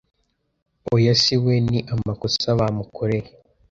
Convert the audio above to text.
Oya siwe ni amakosa bamukoreye